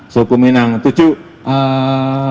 suku minang tujuh